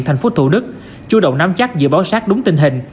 thành phố thủ đức chú động nắm chắc dự báo sát đúng tình hình